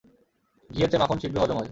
ঘিয়ের চেয়ে মাখন শীঘ্র হজম হয়।